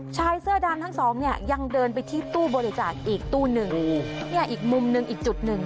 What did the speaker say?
ชายเสื้อดำทั้งสองเนี่ยยังเดินไปที่ตู้บริจาคอีกตู้หนึ่งเนี่ยอีกมุมหนึ่งอีกจุดหนึ่ง